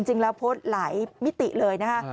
จริงแล้วโพสต์หลายมิติเลยนะคะ